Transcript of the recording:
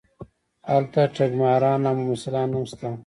هلته ټګماران او ممثلان هم شته.